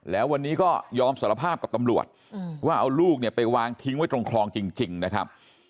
แล้ววันนี้ก็ยอมสารภาพกับตำรวจว่าเอาลูกเนี่ยไปวางทิ้งไว้ตรงคลองจริงนะครับ